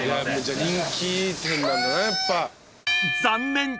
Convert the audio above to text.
［残念！